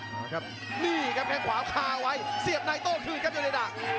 นี่ครับแข้งขวาคาไว้เสียบในโต้คืนครับเยอร์เนด่า